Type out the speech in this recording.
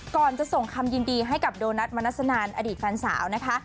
ก่อนจะส่งคำยินดีให้กับโดนัทมนัสนันอดีตแฟนสาวนะคะ